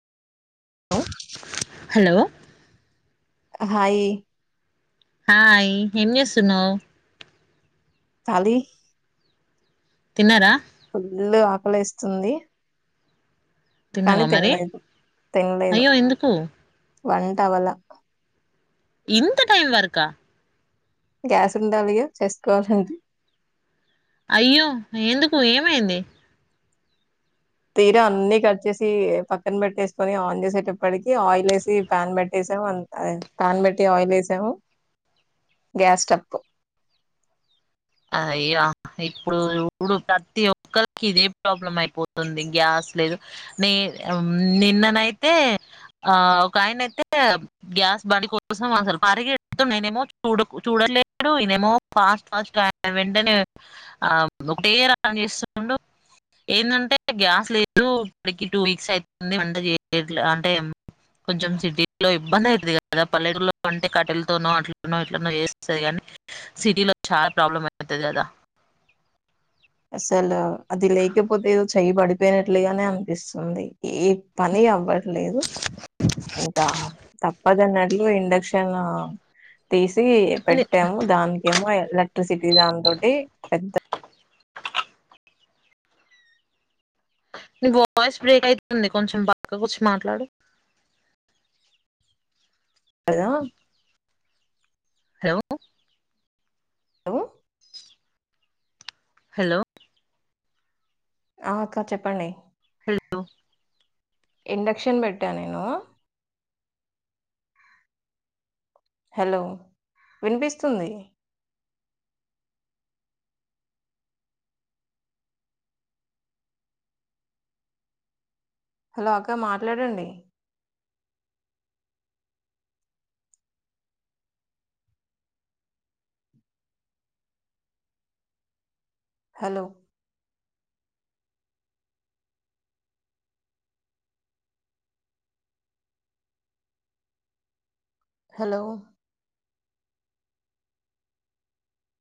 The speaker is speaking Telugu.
హలో హలో హాయి హాయ్ ఏంచేస్తునవ్ ఖాళీ తిన్నారా ఫుల్లు ఆకలేస్తుంది కానీ తిన్నావా మరి తినలేదు తినలేదు అయ్యో ఎందుకు వంట అవల ఇంత టైం వరుకా గ్యాస్ ఉండాలిగా చేసుకోవాలండి అయ్యో ఎందుకు ఏమైంది తీర అన్ని కట్ చేసి పక్కన పెట్టేసుకొని ఆన్ చేసేటప్పటికి ఆయిల్ వేసి ప్యాన్ పెట్టే అంతా పన్ పెట్టి ఆయిల్ వేసాము గ్యాస్ స్ట్రక్కు అయ్యో ఇప్పుడు ఇప్పుడు ప్రతి ఒక్కరికి ఇదే ప్రాబ్లం అయిపోతుంది గ్యాస్ లేదు నీ నిన్నయితే ఆ ఒక ఆయనయితే గ్యాస్ బండి కోసం అసలు పరిగొడుతున్నడు ఆయనేమో చూడు చూడలేదు ఈనేమో ఫస్ట్ ఫస్ట్ వెంటనే ఆ ఒకటే రాన్ చేస్తుండు ఏంటంటే గ్యాస్ లేదు ఇప్పడికి టూ వీక్స్ అయితుంది వంట చేయలే అంటే కొంచెం సిటీ లో ఇబ్బంది అవుతుది కదా పల్లెరులో అంటే కట్టెలతోనో అట్నో ఇట్లనో చేస్తరు కానీ సిటీలో చార్ ప్రాబ్లం అయితది కదా అసలు అది లేకపోతే ఏదో చెయబడిపోయినట్లుగానే అనిపిస్తుంది ఏ పని అవ్వట్లేదు ఇంకా తప్పదన్నట్లు ఇండక్షన్ తీసి నీ పెట్టాము దానినికేమో ఎలక్ట్రిసిటీ దాని తోటి పెద్ద నీ వాయిస్ బ్రేక్ అయితుంది కొంచెం పక్కకు వచ్చి మాట్లాడు అ అదా హలో హలో హలో ఆ అక్క చెప్పండి లో ఇండక్షన్ పెట్టా నేను హలో వినిపిస్తుంది. హలో అక్క మాట్లాడండి. హలో. హలో.